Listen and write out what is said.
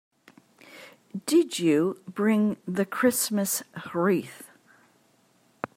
Did you bring the Christmas wreath?